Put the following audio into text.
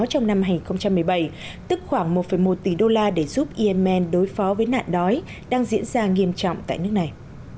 trong năm hai nghìn một mươi bảy tức khoảng một một tỷ đô la để giúp yemen đối phó với nạn đói đang diễn ra nghiêm trọng tại nước này